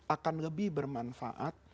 akan lebih bermanfaat